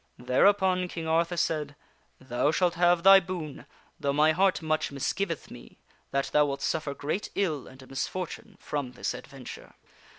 Thereupon King Arthur said, "Thou shalt have thy boon, though my heart much misgiveth me that thou wilt suffer great ill and misfortune from this adventure."